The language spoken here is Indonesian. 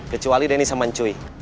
kecuali denny sama cuy